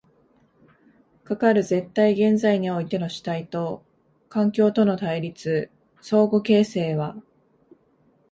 かかる絶対現在においての主体と環境との対立、相互形成は